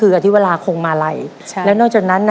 แล้ววันนี้ผมมีสิ่งหนึ่งนะครับเป็นตัวแทนกำลังใจจากผมเล็กน้อยครับ